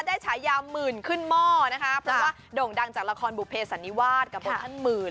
ฉายาหมื่นขึ้นหม้อนะคะเพราะว่าโด่งดังจากละครบุเภสันนิวาสกับโมชั่นหมื่น